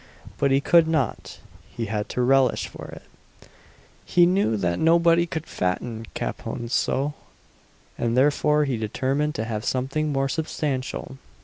But he could not he had no relish for it he knew that nobody could "fatten capons so;" and therefore he determined to have something more substantial.